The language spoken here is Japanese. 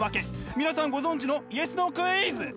皆さんご存じのＹＥＳ・ＮＯクイズ！